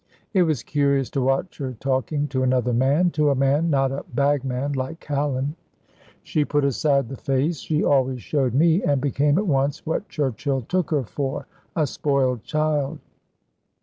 It was curious to watch her talking to another man to a man, not a bagman like Callan. She put aside the face she always showed me and became at once what Churchill took her for a spoiled child.